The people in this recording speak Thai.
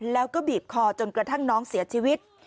แล้วก็บีบคอจนกระทั่งน้องเสียชีวิต